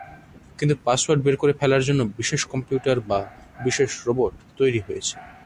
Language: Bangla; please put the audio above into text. কিন্তু পাসওয়ার্ড বের করে ফেলার জন্য বিশেষ কম্পিউটার বা বিশেষ রোবট তৈরী হয়েছে।